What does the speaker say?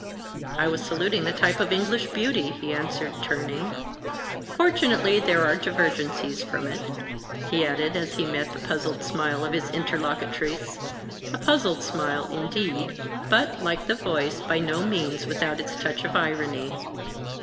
"I was saluting the type of English beauty," he answered, turning. "Fortunately, there are divergencies from it," he added, as he met the puzzled smile of his interlocutrice; a puzzled smile, indeed, but, like the voice, by no means without its touch of irony.